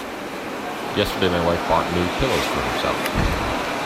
Yesterday my wife bought new pillows for herself.